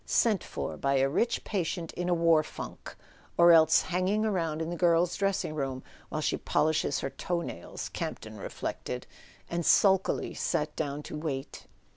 "Sent for by a rich patient in a war funk; or else hanging about in the girl's dressing room while she polishes her toe nails," Campton reflected; and sulkily sat down to wait.